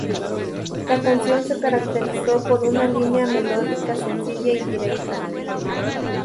La canción se caracterizó por una línea melódica sencilla y directa.